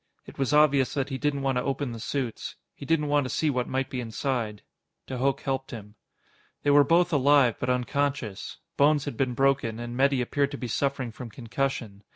It was obvious that he didn't want to open the suits. He didn't want to see what might be inside. De Hooch helped him. They were both alive, but unconscious. Bones had been broken, and Metty appeared to be suffering from concussion.